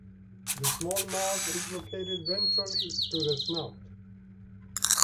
The small mouth is located ventrally to the snout.